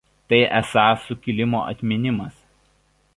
Tai esąs sukilimo atminimas.